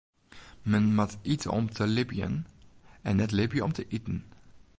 Men moat ite om te libjen en net libje om te iten.